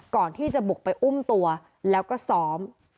ก่อนที่จะบุกไปอุ้มตัวแล้วก็ซ้อม